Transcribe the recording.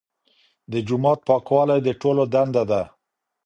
د جومات پاکوالی د ټولو دنده ده.